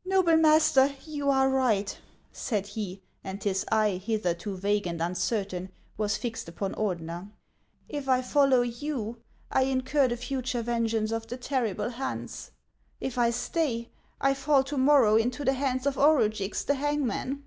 " Noble master, you are right," said he ; and his eye, hitherto vague and uncertain, was fixed upon Ordener. " If I follow you, I incur the future vengeance of the terrible Hans. If I stay, I fall to morrow into the hands of Orugix the hangman.